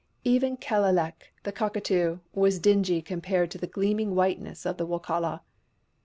Even Kellelek, the Cockatoo, was dingy compared to the gleaming whiteness of the Wokala.